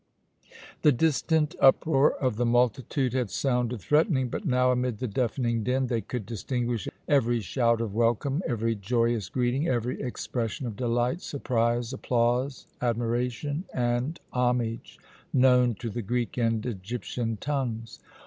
The distant uproar of the multitude had sounded threatening, but now, amid the deafening din, they could distinguish every shout of welcome, every joyous greeting, every expression of delight, surprise, applause, admiration, and homage, known to the Greek and Egyptian tongues.